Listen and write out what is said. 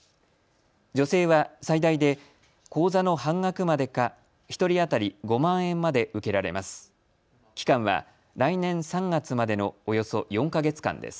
助成は最大で講座の半額までか１人当たり５万円まで受けられます。